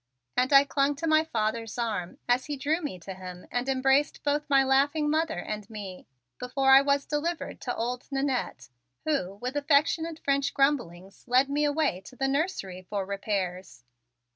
And I clung to my father's arm as he drew me to him and embraced both my laughing mother and me, before I was delivered to old Nannette who, with affectionate French grumblings, led me away to the nursery for repairs.